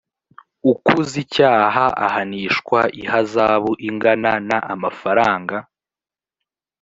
ukuzicyaha ahanishwa ihazabu ingana n amafaranga.